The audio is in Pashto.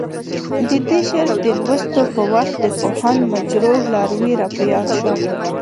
د دې شعر د لوستو په وخت د پوهاند مجروح لاروی راپه یاد شو.